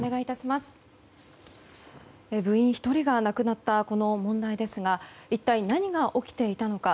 部員１人が亡くなったこの問題ですが一体何が起きていたのか。